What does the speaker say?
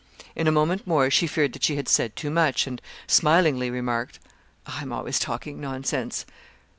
In a moment more she feared that she had said too much, and smilingly remarked, "I am always talking nonsense."